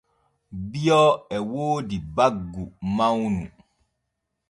Bio e woodi baggu mawnu.